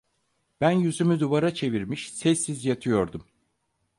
Ben yüzümü duvara çevirmiş, sessiz yatıyordum.